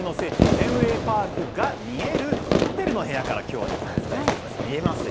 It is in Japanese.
フェンウェイパークが見えるホテルの部屋から今日はお伝えしています。